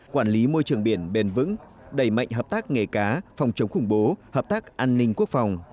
quản lý môi trường biển bền vững đẩy mạnh hợp tác nghề cá phòng chống khủng bố hợp tác an ninh quốc phòng